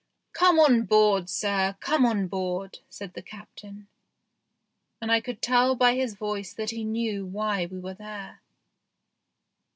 " Come on board, sir ; come on board," said the Captain, and I could tell by his voice that he knew why we were there.